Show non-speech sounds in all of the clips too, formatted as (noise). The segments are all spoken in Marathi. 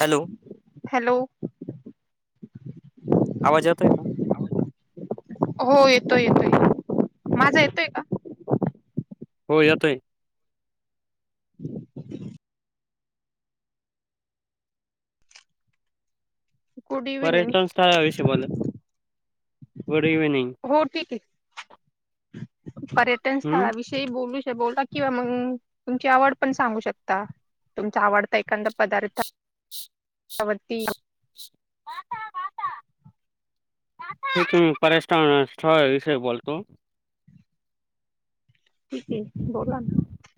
हॅलो हॅलो आवाज येतोय का? हो येतोय येतोय माझा येतोय का? हो याेतोय (unintelligible) गुड इव्हनिंग पर्यटन स्थळा विषयी बोल गुड इव्हनिंग हो ठीक आहे पर्यटन हम्म स्थळा विषयी बोलू बोला किंवा मग तुमची आवड पण सांगू शकता तुमचा आवड तर एखादा पदार्थ (unintelligible) तु पर्यटन स्थळा, स्थळा विषय बोलतो ठीक के बोला णा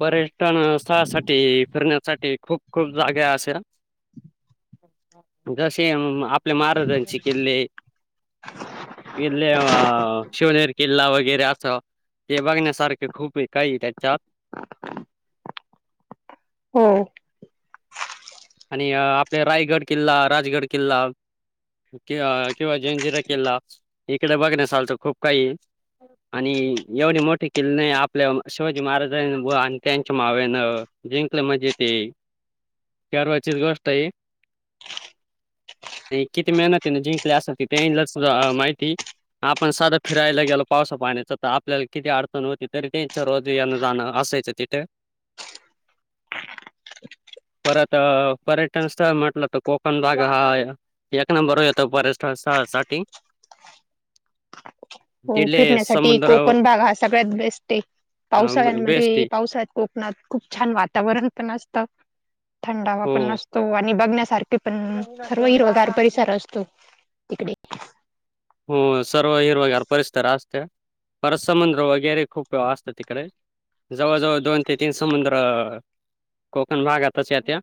पर्यटन स्थळा साठी फिरण्यासाठी खूप खूप जागा असे ना, जशी आपल्या महाराजांचे किल्ले, किल्ले शिवनेर किल्ला वगैर गेर अस ते बघण्यासारखे खूप काही त्याच्यात हो आणि आपले रायगड किल्ला राजगड किल्ला कि किंवा जंजिरा किल्ला इकडे बघण्या सारखं खूप काही आणि एवढे मोठे किल्ले नाही आपल्या शिवाजी महाराजांनी व आणि त्यांच्या मावळ्यांनं जिंकलं म्हणजे ते गर्वाचीच गोष्ट आहे किती मेहनतीने जिंकली असे त त्यां ल माहिती आपण साधं फिरायला गेलो पावसा पाण्याच तर आपल्याला किती अडचण होती तरी त्यांच्या रोज यान जाणं असायचं तिथं परत पर्यटन स्थळ म्हटलं तर कोकण भाग हा एक नंबर येतो पर्यटन स्थळा साठी हो फिरण्यासाठी कोकण भाग हा सगळ्यात बेस्ट आहे बेस्ट पावसाळ्यांमध्ये आहे पावसाळ्यात कोकणात खूप छान वातावरण पण असतं थंडावा पण हो असतो आणि बघण्या ते पण सर्व हिरवागार परिसर असतो तिकडे हो सर्व हिरवं गार परिसर असतो परत समुंद्र वगैरे खूप असत तिकडे जवळ जवळ दोन ते तीन समुंद्र कोकण भागातच या त्या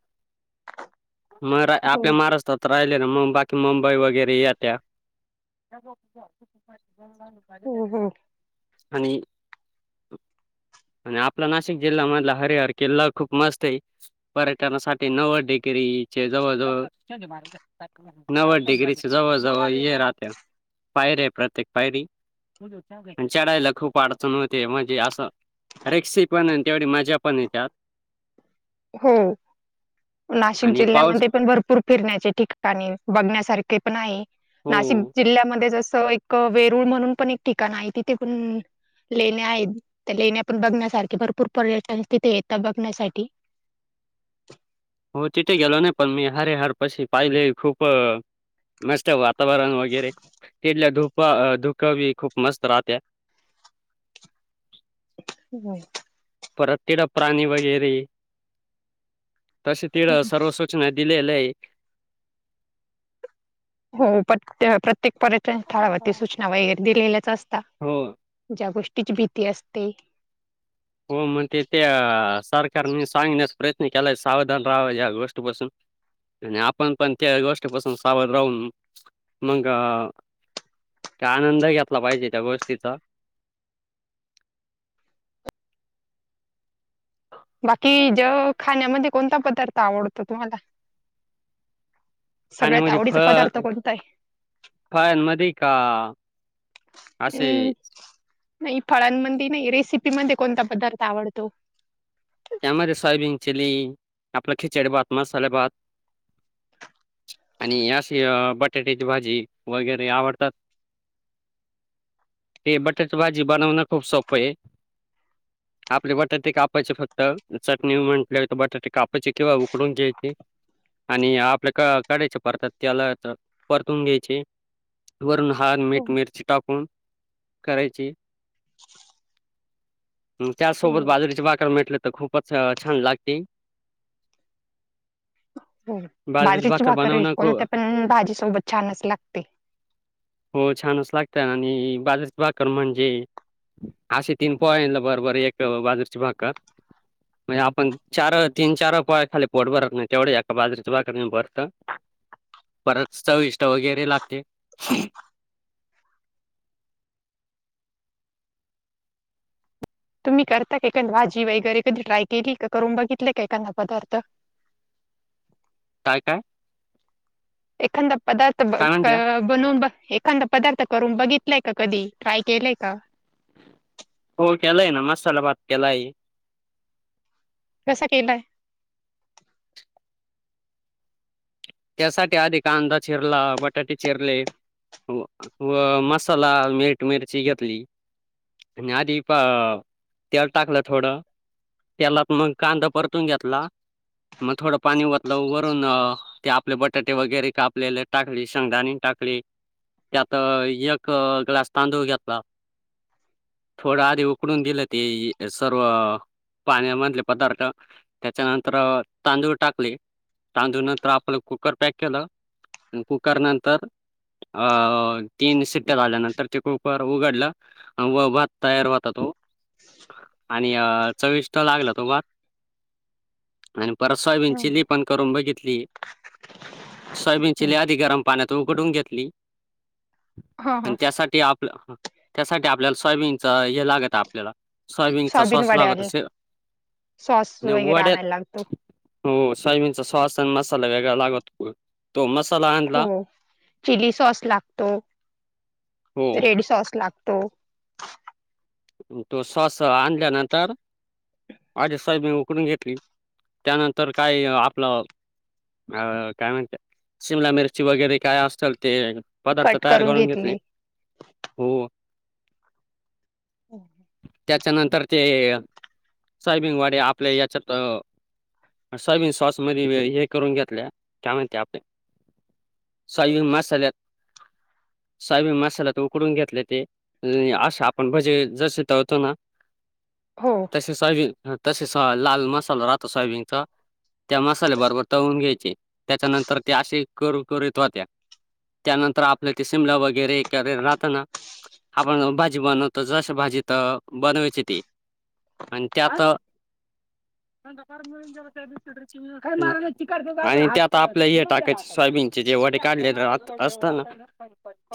मरा हो आपल्या महाराष्ट्रात तर राहिले ना मु बाकी मुंबई वगैरे येत्या. हो हो आणि आणि आपला नाशिक जिल्ह्यामधला हरिहर किल्ला खूप मस्त आहे. पर्यटनासाठी नव्वद डिग्रीचे जवळ जवळ नव्वद डिग्रीचे जवळ जवळ हे राहतात, पायर्‍या प्रत्येक पायरी चढायला खूप अडचण होते म्हणजे असं. रिस्की पण आणि तेवढी मजा पण येतात. हो नाशिक आणि पाऊस जिल्ह्यामध्ये पण भरपूर फिरण्याचे ठिकाणे बघण्यासारखं ते पण आहे. हो नाशिक जिल्ह्यामध्ये जसं. एक वेरूळ म्हणून पण एक ठिकाण आहे. तिथे पण लेण्या आहेत. त्या लेण्यापण बघण्यासारखे भरपूर पर्यटन तिथे येतात बघण्यासाठी. हो तिथे गेलो ना पण मी हरिहरपाशी पाहिले खूप मस्त वातावरण. वातावरण वगैरे. (unintelligible) धुक बी खूप मस्त राहत्यात. (unintelligible) परत तिथे प्राणी वगैरे. तसे तिथ सर्व सूचना दिलेत. (unintelligible) हो (unintelligible) प्रत्येक पर्यटन स्थळावरती सूचना वगैरे दिलेल्याचं असतात. हो ज्या गोष्टी, तिची भीती असते. हो म्हणते त्या सारखे. कारण मी सांगण्याचा प्रयत्न केलाय सावधान राहा. या गोष्टीपासून आणि आपण पण त्या गोष्टीपासून सावध राहून. मग का आनंद घेतला पाहिजे त्या गोष्टीचा बाकी ज खाण्यामध्ये. कोणता पदार्थ आवडतो तुम्हांला? आणि मध्ये फळ, फळांमध्ये का. आसे. अम्म नाही फळांमध्ये नाही, रेसिपीमध्ये कोणता पदार्थ आवडतो? (unintelligible) आपलं खिचडी भात, मसाले भात आणि अशी बटाट्याची भाजी वगैरे आवडतात. हे बटाटची भाजी बनवणं खूप सोपं आहे. आपले बटाटे कापायचे फक्त, चटणी म्हटल्या बटाटे कापायची किंवा उकडून घ्यायची, आणि आपल्या (unintelligible) (unintelligible) तेलात परतून घ्यायची वरून छान हो मीठ मिरची टाकूनं. करायची. त्या हो सोबत बाजरीचे भाकर मिठ (unintelligible) तर खूपचं छान लागते. हम्म बाजरीची भाकर भाकरी बनवणं खू परत आपण भाजी सोबत छानच लागते हम्म बाजरीची भाकर म्हणजे असे तीन पोळ्यांन बरबर एक बाजार भाकर म्हणजे आपण चार तीन चार पाय खाली पोट भरत नाही तेवढे याका बाजरीेच बा बर त परत चविष्ट वगैरे लागते तुम्ही करता का भाजी वगैरे कधी ट्राय केली का करून बघितले एखांदा पदार्थ काय काय? एखांदा पदार्थ काय क म्हणत्या बनवून एखांदा पदार्थ करून बघितलाय का कधी ट्राय केलंय का? हो केलाय ना मसाला भात केलाय कसा केलाय? त्यासाठी आधी कांदा चिरला, बटाटे चिरले व मसाला मीठ मिरची घेतली आणि आधी प तेल टाकलं, थोडं तेलात मग कांदा परतून घेतला मग थोडं पाणी वतल वरून ते आणि बटाटे वगैरे कापलेले टाकले, शेंगदाणी टाकली त्यात एक ग्लास तांदूळ घेतला. थोडा आधी उकळून दिलं ते सर्व पाण्यामधले पदार्थ. त्याच्यानंतर तांदूळ टाकले तांदूळ नंतर आपलं कुकर पॅक केलं अह कुकर नंतर अ तीन सिट्ट्या झाल्यानंतर ते कुकर उघडलं व भात तयार होता तो आणि चविष्ट लागला तो भात आणि परवा सोयाबीन हं, चिली पण करून बघितली इथली सोयाबीन हं. चिली आधी गरम पाण्यात उघडून घेतली हा आणि हा त्यासाठी आपलं हा त्यासाठी आपल्याला सोयाबीनच हे लागत आपल्याला सोयाबीनचा सोयाबीन सॉस लागत वड्याला अस सॉस म्हणजे वगैरे वड्यात आणायला लागतो. हो सोयाबीनचा सॉस आणि मसाला वेगळा लागत होय. हो चिली सॉस लागतो, हो रेड सॉस लाग तो तो सॉस आणल्यानंतर आधी सोयाबीन उकडून घेतली त्यानंतर काय आपलं अह काय म्हणते शिमला मिरची वगैरे काय असेल ते पदार्थ तयार करून घेतले हो हो. त्याच्यानंतर ते सोयाबीन वडे आपले याच्यात सोयाबीन सॉसमध्ये हे करून घेतल्या का म्हणते आपले सोयाबीन मसाल्यात सोयाबीन मसाल्यात उकडून घेतले ते अह अस पण म्हणजे जसे ठेवतो ना हो तसे सोयाबीन तसेच लाल मसाला राहतो सोयाबीनचा त्या मसाल्या बरोबर तळून घ्यायचे त्याच्यानंतर ते असे कुरकुरीत होत्या त्यानंतर आपल्या ते शिमला वगैरे राहत ना आपण भाजी बनवत तर जस भाजी त बनवायची ते आणि त्यात आणि त्यात आपल्या हे टाकायचे सोयाबीनचे जे वडे काढले राहत असतना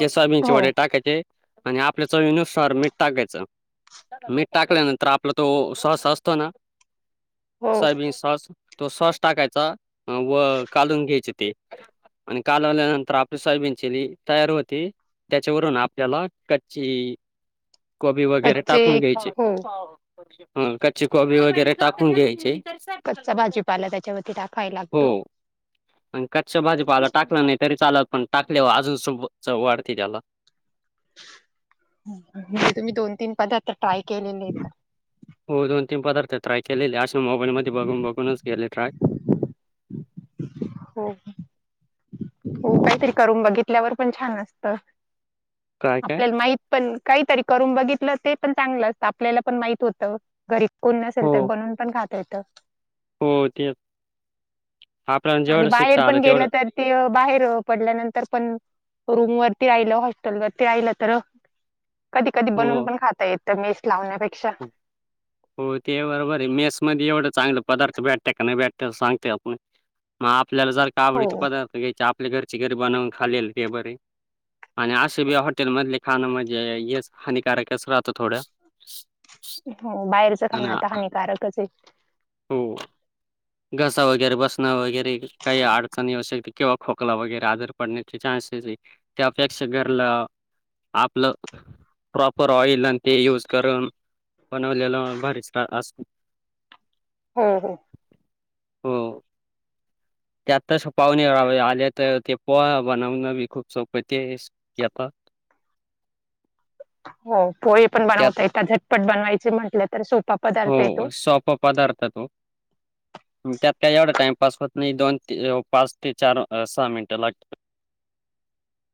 ते सोयाबीनचे हो वड्या टाकायचे आणि आपल्या चवीनुसार मीठ टाकायचं, मीठ टाकल्यानंतर आपला तो सॉस असतो ना हो सोयाबीन सॉस तो सॉस टाकायचा व कालून घ्यायचे ते आणि कालवल्यानंतर आपली सोयाबीन चीली तयार होते त्याच्यावरून आपल्याला कच्ची कोबी वगैरे कच्चे टाकून घ्यायचे. हो ह कच्ची कोबी वगैरे टाकून घ्यायची. कच्चा भाजीपाला त्याच्यावरती टाकाय हो लागतो. आणि कच्च्या भाजीपाला टाकला नाही तरी चालाल, पण टाकलेवर अजून सोबत चव वाढते त्याला. म्हणजे तुम्ही दोन तीन पदार्थ ट्राय केलेले तर. हो दोन तीन पदार्थ ट्राय केलेले, अशे मोबाईल मध्ये बघून बघूनच केले ट्राय. हो हो काहीतरी करून बघितल्यावर पण छान असत. काय काय? आपल्याला माहित पण काहीतरी करून बघितलं ते पण चांगलं असतं. आपल्याला पण माहित होतं. घरी कोण नसेल हो तर बनवून पण खात येत. हो तेच. आणि बाहेर पण गेलं तर ते बाहेर पडल्यानंतर पण रूम वरती राहिलं, हॉस्टेल वरती राहिलं तर कधी कधी बनवून हो. पण खाता येत. तर मेस लावण्यापेक् हो ते बरोबर आहे, मेस मध्ये एवढं चांगले पदार्थ भेटता का नाही भेटत्याल सांगता आपण, मग आप आपल्याला जर का हो आवडचे पदार्थ घ्यायचे आप आप घरची घरी बनवून खालेल हे बर आणि असे बी हॉटेल मधले खाणं म्हणजे हेच हानिकारकच राहतं थोड. हो बाहेरचं खाणं आता हानिकारकच आहे. हो. घसा वगैरे बसना वगैर काही अडचणी असेल किंवा खोकला वगैरे आजारी पडण्याचे चान्सेस आहे त्यापेक्षा घरला आपलं प्रॉपर ऑइल आणि ते यूज करून बनवलेला भारीच असतो. हम हम. हो. त्यातस पाहुणे आले तर ते पोहा बनवणंी खूप सोपं ते येतात. हो पोहे पण बनवता येतात झटपट बन खायचं म्हटलं तर सोपं. हो सोप पदार्थ तो त्यात काय एवढ टाइमपास हो नाही दोन ते पाच ते चार सहा मिनिटं लागत.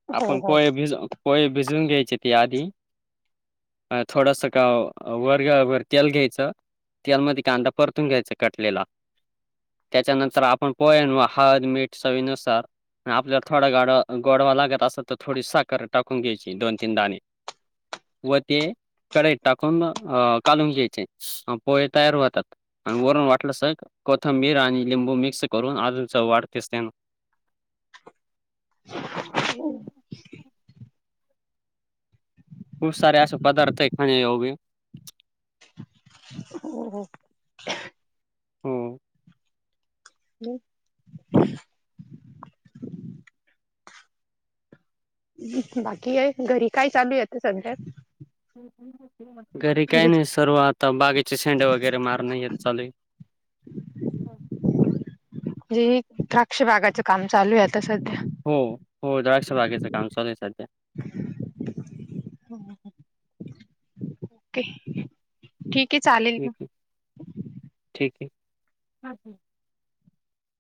हो आपण हो पोहे भिज पोहे भिजून घ्यायची. तिथे आधी, थोडासा काव वर अ घ्या च. तेलामध्ये कांदा परतून घ्यायचा कटलेला. त्याच्यानंतर आपण पोहे म हळद मीठ चवीनुसार आपल्याला थोडा गाड गोडवा लागत असत तर थोडी साखर टाकून घ्यायची दोन तीन दाणे व ते कढईत टाकून कालून घ्यायचे. पोहे तयार होतात आणि वरून वाटलंस कोथंबीर आणि लिंबू मिक्स करून अजून च वाढ दिसते ना. (inaudible) (unintelligible) सारे असेश पदार्थ हेत (unintelligible) (unintelligible) भी हो हो (unintelligible) होम (unintelligible) (inaudible) (inaudible) बाकी है घरी काय चालूये आता सध्यात हम् हम् ह्म घरी काही नाही सर्व आता बागेचे शेंडे वगैरे मार नाही येत चालू जे ही द्राक्ष बागाच काम चालू हे हो हो द्राक्ष बागेचं काम चालूल सध्या (inaudible) (inaudible) ओके ठीक की चालेल मं हम् हम्